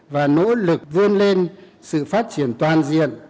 và nỗ lực vươn lên sự phát triển toàn diện